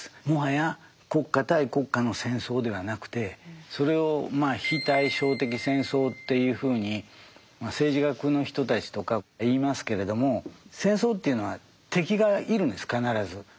もはや国家対国家の戦争ではなくてそれを非対称的戦争っていうふうに政治学の人たちとか言いますけれども戦争というのは敵がいるんです必ず。